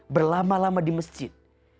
berlama lama di masjid